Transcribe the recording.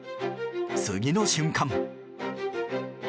次の瞬間。